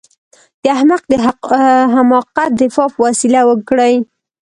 د احمق د حماقت دفاع په وسيله وکړئ.